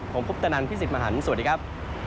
ของพบตนันพิสิทธิ์มหาลสวัสดีครับ